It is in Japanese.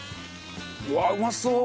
うわっうまそう！